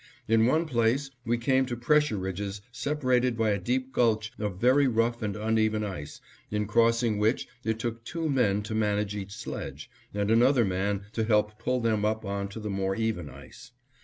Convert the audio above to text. In one place we came to pressure ridges separated by a deep gulch of very rough and uneven ice, in crossing which it took two men to manage each sledge, and another man to help pull them up on to the more even ice.